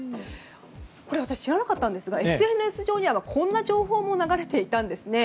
これ私、知らなかったんですがＳＮＳ上にはこんな情報も流れていたんですね。